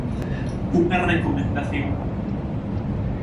Unha recomendación.